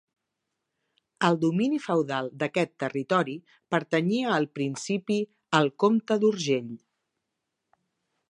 El domini feudal d'aquest territori pertanyia al principi al comte d'Urgell.